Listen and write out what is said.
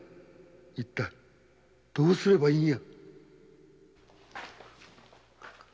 一体どうすればいいんや⁉